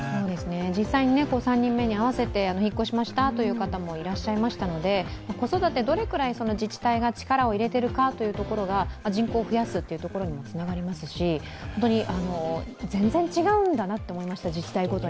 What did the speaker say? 実際に３人目に合わせて引っ越しましたという方もいらっしゃいましたので、子育て、どれくらい自治体が力を入れているか、人口を増やすというところにつながりますし、自治体ごとに全然違うんだなと思いました。